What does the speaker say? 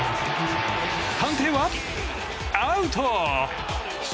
判定はアウト！